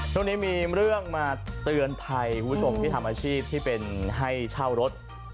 ช่วงนี้มีเรื่องมาเตือนภัยคุณผู้ชมที่ทำอาชีพที่เป็นให้เช่ารถ